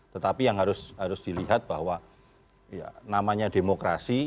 tetapi yang harus dilihat bahwa namanya demokrasi